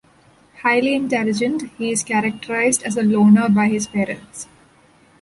Highly intelligent, he is characterised as a 'loner' by his parents.